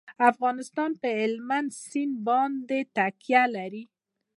افغانستان په هلمند سیند باندې تکیه لري.